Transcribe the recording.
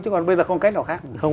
chứ còn bây giờ không cách nào khác